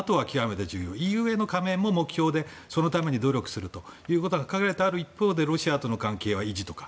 ＥＵへの加盟も目標でそのために努力するということが書かれてある一方でロシアへの関係は維持とか。